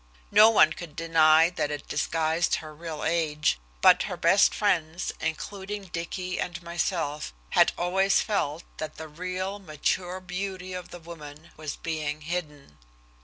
No one could deny that it disguised her real age, but her best friends, including Dicky and myself, had always felt that the real mature beauty of the woman was being hidden.